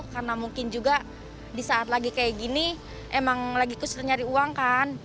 karena mungkin juga di saat lagi kayak gini emang lagi kusir nyari uang kan